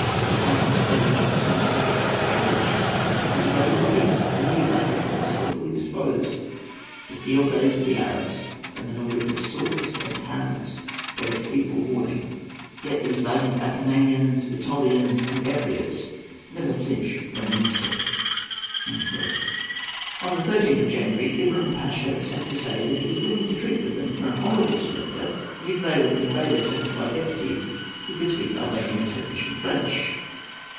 The plain was studded with Mussulman tents and standards; and the gradual appearance of new batteries more skilfully disposed, the field days of the Arabs, and the noise of saws and hammers, gave fearful warning. Yet these gallant Acarnanians, Etolians, and Epirots never flinched for an instant."[A] [Footnote A: Gordon, vol. ii., p. 253.] On the 13th of January, Ibrahim Pasha sent to say that he was willing to treat with them for an honourable surrender if they would convey their terms by deputies who could speak Albanian, Turkish, and French.